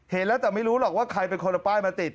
เห็นแล้วแต่ไม่รู้หรอกว่าใครเป็นคนเอาป้ายมาติด